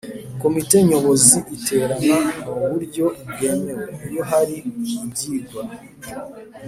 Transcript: Komite Nyobozi iterana mu buryo bwemwe iyo hari ibyigwa